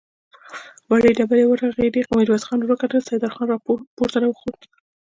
وړې ډبرې ورغړېدې، ميرويس خان ور وکتل، سيدال خان پورته را خوت.